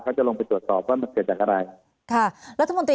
เขาจะลงไปตรวจตอบว่ามันเกิดจากอะไร